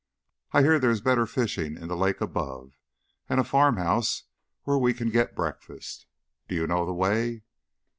I hear there is better fishing in the lake above, and a farmhouse where we can get breakfast. Do you know the way?"